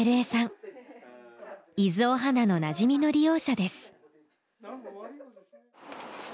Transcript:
伊豆おはなのなじみの利用者です。